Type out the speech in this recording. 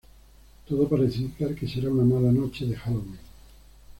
Todo parece indicar que será una mala noche de Halloween.